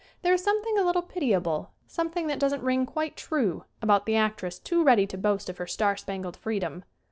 There is something a little pitiable, something that doesn't ring quite true, about the actress too ready to boast of her star spangled freedom.